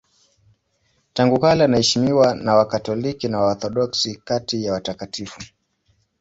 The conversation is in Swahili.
Tangu kale anaheshimiwa na Wakatoliki na Waorthodoksi kati ya watakatifu.